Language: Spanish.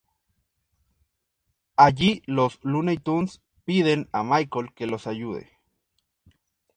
Allí, los Looney Tunes piden a Michael que los ayude.